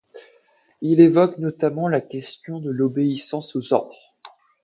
Il évoque notamment la question de l'obéissance aux ordres.